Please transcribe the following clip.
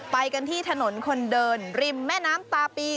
ไปกันที่ถนนคนเดินริมแม่น้ำตาปี